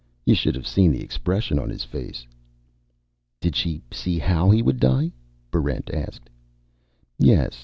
"You should have seen the expression on his face." "Did she see how he would die?" Barrent asked. "Yes.